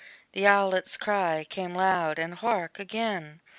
The owlet's cry Came loud and hark, again!